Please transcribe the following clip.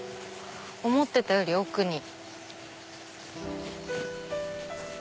思ってたより奥に。